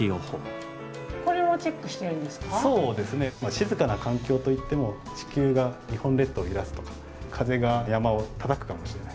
静かな環境といっても地球が日本列島を揺らすとか風が山をたたくかもしれない。